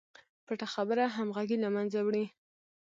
پټه خبره همغږي له منځه وړي.